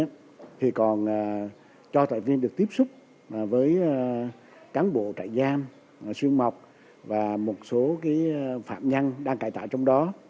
thì còn cho trại viên được tiếp xúc với cán bộ trại giam xương mọc và một số phạm nhân đang cải tạo trong đó